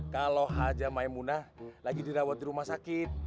kalau haja maimunah lagi dirawat di rumah sakit